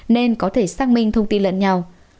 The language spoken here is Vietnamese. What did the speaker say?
nên có thể xác minh thông tin lẫn nhau